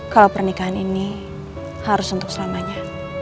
kalau pernikahan ini harus untuk selamanya